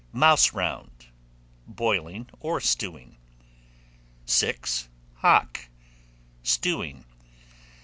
Mouse round, boiling or stewing. 6. Hock, stewing.